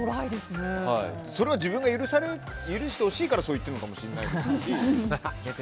それは自分が許してほしいからそう言ってるのかもしれないし。